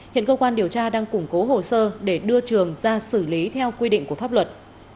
hiện cơ quan điều tra đang củng cố hồ sơ để đưa trường ra xử lý theo quy định của pháp luật